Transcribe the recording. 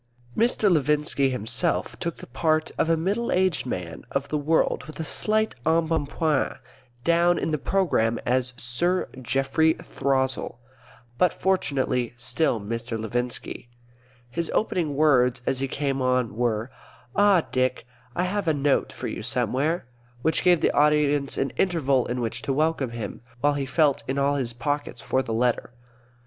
Mr. Levinski himself took the part of a middle aged man of the world with a slight embonpoint; down in the programme as Sir Geoffrey Throssell, but fortunately still Mr. Levinski. His opening words, as he came on, were, "Ah, Dick, I have a note for you somewhere," which gave the audience an interval in which to welcome him, while he felt in all his pockets for the letter.